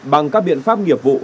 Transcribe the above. bằng các biện pháp nghiệp vụ